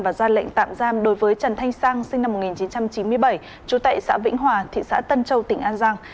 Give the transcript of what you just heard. và ra lệnh tạm giam đối với trần thanh sang sinh năm một nghìn chín trăm chín mươi bảy chú tệ xã vĩnh hòa thị xã tân châu tỉnh an giang